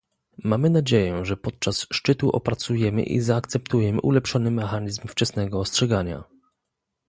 Mamy nadzieję, że podczas szczytu opracujemy i zaakceptujemy ulepszony mechanizm wczesnego ostrzegania